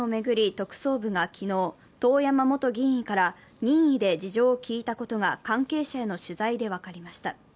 特捜部が昨日、遠山元議員から任意で事情を聞いたことが関係者への取材で分かりました。